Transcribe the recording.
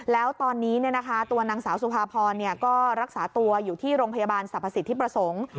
และตอนนี้นางสาวสุภาพรรักษาตัวอยู่ที่โรงพยาบาลสาภาษิตทิบรสงศ์